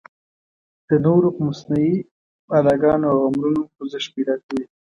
د نورو په مصنوعي اداګانو او امرونو خوځښت پیدا کوي.